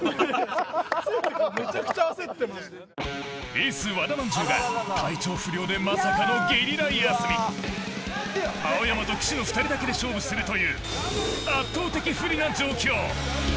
エース・和田まんじゅうが体調不良でまさかのゲリラ休み青山と岸の２人だけで勝負するという圧倒的不利な状況！